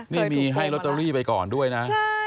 นี่มีให้ลอตเตอรี่ไปก่อนด้วยนะ